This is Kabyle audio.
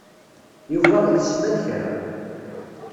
Yuba itess ma d kra.